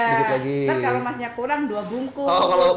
nanti kalau emasnya kurang dua bungkus